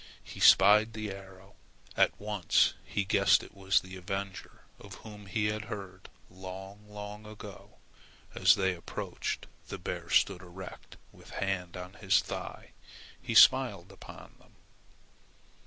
He spied the arrow. At once he guessed it was the avenger of whom he had heard long, long ago. As they approached, the bear stood erect with a hand on his thigh. He smiled upon them.